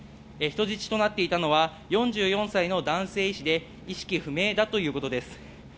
人質となっていたのは４４歳の男性医師で意識不明だということです。